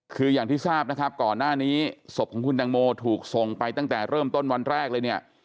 คืออย่างที่ทราบนะครับก่อนหน้านี้ศพของคุณตังโมถูกส่งไปตั้งแต่เริ่มต้นวันแรกเลยเนี่ย